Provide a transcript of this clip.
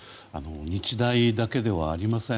日大だけではありません。